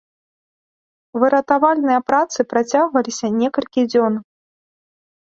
Выратавальныя працы працягваліся некалькі дзён.